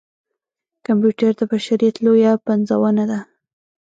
کمپیوټر د بشريت لويه پنځونه ده.